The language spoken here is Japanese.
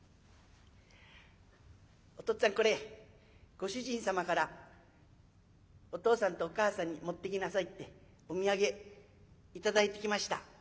「お父っつぁんこれご主人様からお父さんとお母さんに持っていきなさいってお土産頂いてきました」。